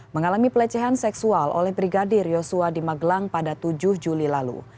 mengalami pelecehan seksual oleh brigadir yosua di magelang pada tujuh juli lalu